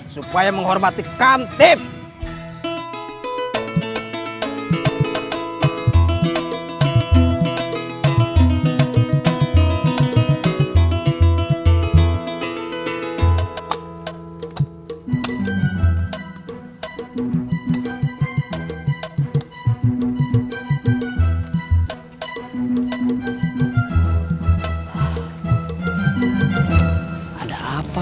supaya menghormati kantip